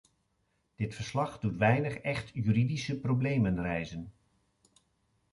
Dit verslag doet weinig echt juridische problemen rijzen.